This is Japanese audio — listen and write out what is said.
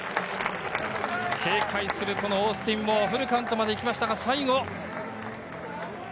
警戒するオースティンもフルカウントまで行きましたが。